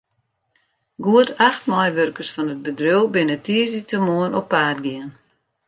Goed acht meiwurkers fan it bedriuw binne tiisdeitemoarn op paad gien.